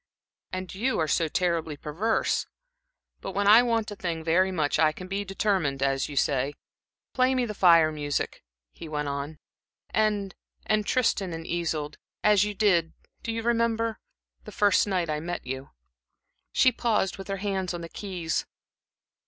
"And you are so terribly perverse! But when I want a thing very much, I can be determined, as you say. Play me the Fire music," he went on, "and and 'Tristan and Isolde,' as you did do you remember? the first night I met you." She paused, with her hands on the keys.